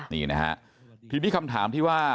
นี่นะฮะทีนี้คำถามที่ว่า